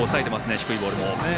低いボールも。